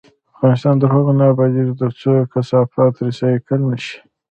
افغانستان تر هغو نه ابادیږي، ترڅو کثافات ریسایکل نشي.